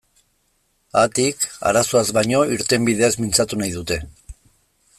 Haatik, arazoaz baino, irtenbideez mintzatu nahi dute.